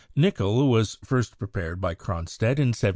Nickel was first prepared by Cronstedt in 1750.